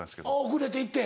遅れて行って。